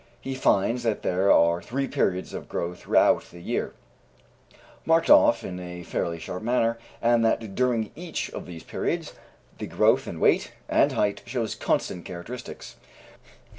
He finds that there are three periods of growth throughout the year, marked off in a fairly sharp manner, and that during each of these periods the growth in weight and height shows constant characteristics.